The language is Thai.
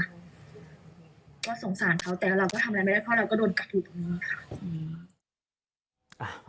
ก็สงสารเขาแต่เราก็ทำอะไรไม่ได้เพราะเราก็โดนกระถูกตรงนี้ค่ะ